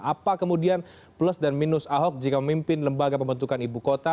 apa kemudian plus dan minus ahok jika memimpin lembaga pembentukan ibu kota